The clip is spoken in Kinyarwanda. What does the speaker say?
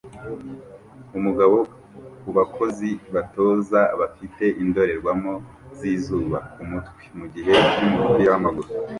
Umugabo ku bakozi batoza ba afite indorerwamo zizuba kumutwe mugihe cyumupira wamaguru